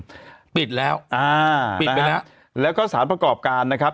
ปิดแล้วอ่าปิดไปแล้วแล้วก็สารประกอบการนะครับ